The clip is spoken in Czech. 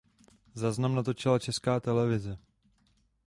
Záznam natočila Česká televize.